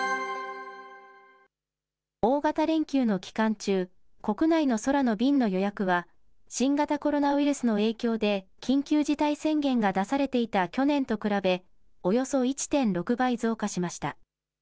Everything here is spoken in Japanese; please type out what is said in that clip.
大型連休の期間中、国内の空の便の予約は、新型コロナウイルスの影響で緊急事態宣言が出されていた去年と比べ、およそ１．６倍増加しました。